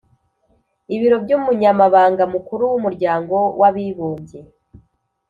Ibiro by Umunyamabanga Mukuru w Umuryango w Abibumbye